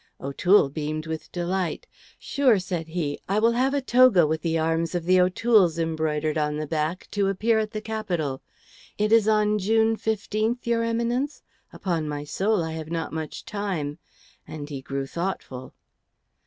O'Toole beamed with delight. "Sure," said he, "I will have a toga with the arms of the O'Tooles embroidered on the back, to appear in at the Capitol. It is on June 15, your Eminence. Upon my soul, I have not much time;" and he grew thoughtful.